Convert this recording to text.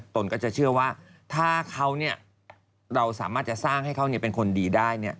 ตนก็จะเชื่อว่าถ้าเราสามารถจะสร้างให้เขาเป็นคนดีได้